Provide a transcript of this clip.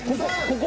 ここ？